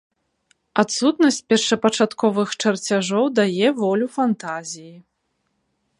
Адсутнасць першапачатковых чарцяжоў дае волю фантазіі.